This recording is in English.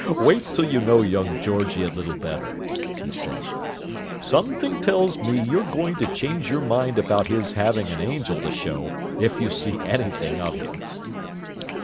"Wait till you know young Georgie a little better," he said. "Something tells me you're going to change your mind about his having an angel to show, if you see anything of him!"